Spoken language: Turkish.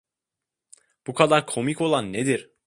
Bu kadar komik olan nedir?